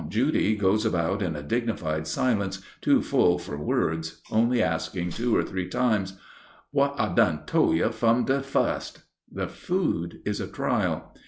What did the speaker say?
Aunt Judy goes about in a dignified silence, too full for words, only asking two or three times, "W'at I done tole you fum de fust?" The food is a trial.